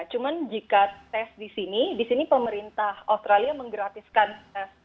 cuma jika tes di sini di sini pemerintah australia menggratiskan tes